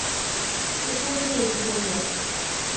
Saethodd y dyn gwningen.